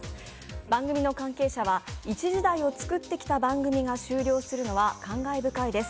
番組の関係者は一時代を作ってきた番組が終了するのは感慨深いです